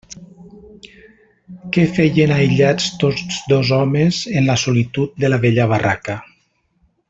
Què feien aïllats tots dos homes en la solitud de la vella barraca?